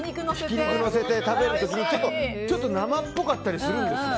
それで食べる時に、ちょっと生っぽかったりするんですよ。